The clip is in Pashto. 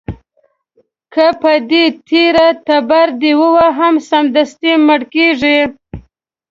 که په دې تېره تبر دې وواهه، سمدستي مړ کېږي.